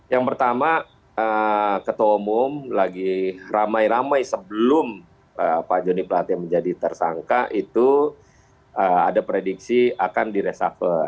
yang pertama ketua umum lagi ramai ramai sebelum pak jody platy menjadi tersangka itu ada prediksi akan diresafel